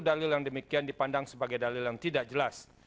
dalil yang demikian dipandang sebagai dalil yang tidak jelas